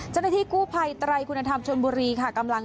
จนดังที่กู้ภัยไตรคุณธรรมชลบุรีค่ะ